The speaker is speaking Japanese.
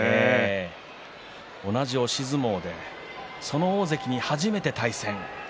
同じ押し相撲でその大関に初めて対戦。